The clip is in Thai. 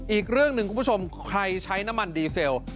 อีกเรื่องหนึ่งคุณผู้ชมใครใช้น้ำมันดีเซล